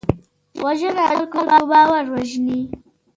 وژنه د خلکو باور وژني